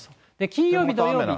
金曜日、土曜日、